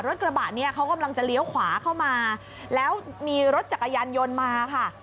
รถกระบะเนี่ยเขากำลังจะเลี้ยวขวาเข้ามาแล้วมีรถจักรยานยนต์มาค่ะ